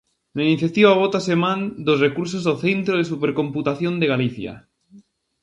Na iniciativa bótase man dos recursos do Centro de Supercomputación de Galicia.